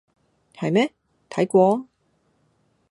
係咩？睇過？